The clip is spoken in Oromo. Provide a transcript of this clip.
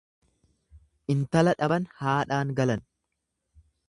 Intala dhaban haadhaan galan.